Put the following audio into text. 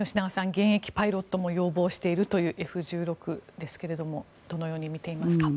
現役パイロットも要望しているというＦ１６ですけれどもどのように見ていますか？